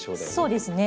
そうですね。